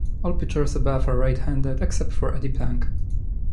All pitchers above are right-handed, except for Eddie Plank.